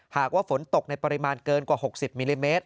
หากว่าฝนตกในปริมาณเกินกว่า๖๐มิลลิเมตร